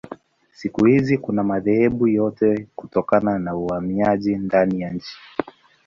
Siku hizi kuna madhehebu yote kutokana na uhamiaji ndani ya nchi.